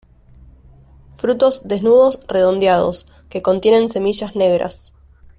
Frutos desnudos redondeados, que contienen semillas negras.